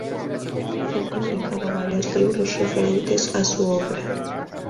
Se han publicado varios libros referentes a su obra.